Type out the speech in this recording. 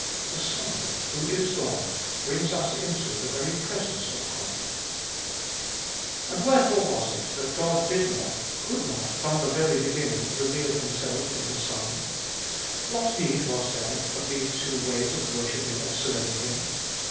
The Son, who is God, brings us into the very presence of God. 36 Gbe iboliest of BU And wherefore was it that God did not, could not, from the very beginning, reveal Himself in the Son ? What need was there of these two ways of worshipping and serving Him